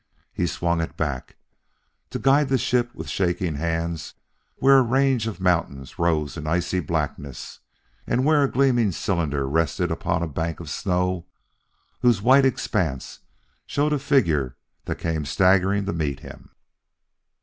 He swung it back, to guide the ship with shaking hands where a range of mountains rose in icy blackness, and where a gleaming cylinder rested upon a bank of snow whose white expanse showed a figure that came staggering to meet him.